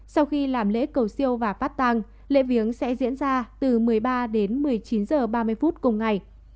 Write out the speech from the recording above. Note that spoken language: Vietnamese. sau khi làm lễ cầu siêu và phát tăng lễ viếng sẽ diễn ra từ một mươi ba đến một mươi chín h ba mươi phút cùng ngày